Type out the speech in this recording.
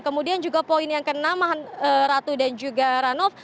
kemudian juga poin yang ke enam ratu dan juga rano